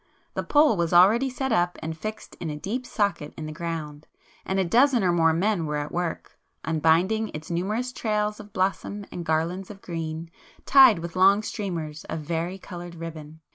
The pole was already set up and fixed in a deep socket in the ground, and a dozen or more men were at work, unbinding its numerous trails of blossom and garlands of green, tied with long streamers of vari coloured ribbon.